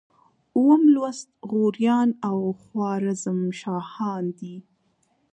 اووم لوست غوریان او خوارزم شاهان دي.